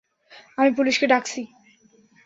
আমি পুলিশকে ডাকছি।